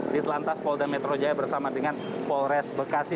di telantas polda metro jaya bersama dengan polres bekasi